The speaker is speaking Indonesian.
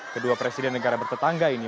kedua presiden negara bertetangga ini